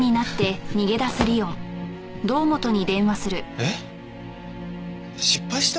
えっ失敗した？